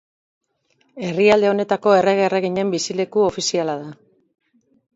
Herrialde honetako errege-erreginen bizileku ofiziala da.